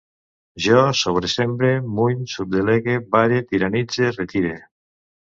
Jo sobresembre, muny, subdelegue, vare, tiranitze, retire